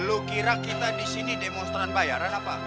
lu kira kita disini demonstran bayaran apa